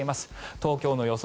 東京の予想